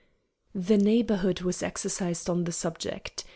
The Neighborhood was exercised on the subject.